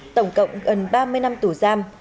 tổng cộng gần ba mươi năm tù giam